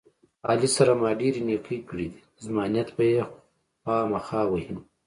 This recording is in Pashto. علي سره ما ډېرې نیکۍ کړې دي، زما نیت به یې خواخما وهي.